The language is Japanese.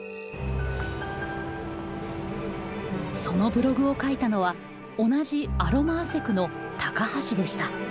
そのブログを書いたのは同じアロマアセクの高橋でした。